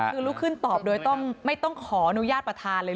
คือลุกขึ้นตอบโดยไม่ต้องขออนุญาตประธานเลย